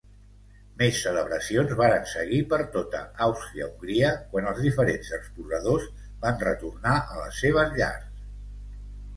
Més celebracions varen seguir per tota Àustria-Hongria quan els diferents exploradors van retornar a les seves llars.